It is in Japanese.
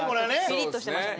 ピリッとしてましたね。